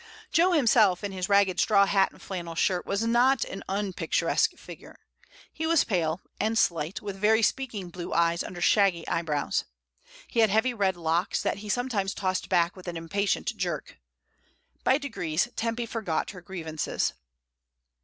Jo himself, in his ragged straw hat and flannel shirt, was not an impicturesque figure. He was pale, and slight, with very speaking blue eyes under shaggy eyebrows. He had heavy red locks, that he some times tossed back with an impatient jerk. By de grees Tempy forgot her grievances.